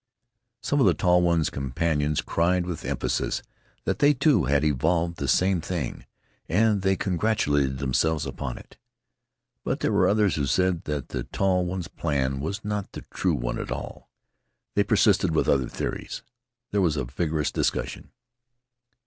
Some of the tall one's companions cried with emphasis that they, too, had evolved the same thing, and they congratulated themselves upon it. But there were others who said that the tall one's plan was not the true one at all. They persisted with other theories. There was a vigorous discussion.